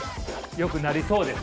よくなりそうです。